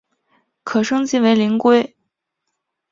可升级成为灵龟。